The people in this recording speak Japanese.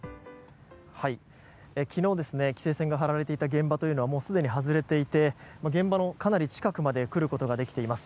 昨日、規制線が張られていた現場というのはもうすでに外れていて現場のかなり近くまで来ることができています。